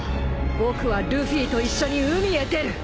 僕はルフィと一緒に海へ出る。